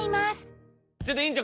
ちょっと院長